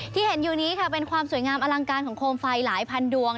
ที่เห็นอยู่นี้ค่ะเป็นความสวยงามอลังการของโคมไฟหลายพันดวง